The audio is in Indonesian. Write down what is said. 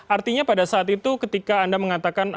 artinya pada saat itu ketika anda mengatakan